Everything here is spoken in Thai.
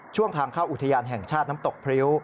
ทางเข้าอุทยานแห่งชาติน้ำตกพริ้ว